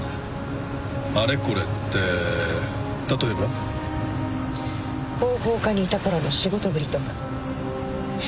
あれこれって例えば？広報課にいた頃の仕事ぶりとか。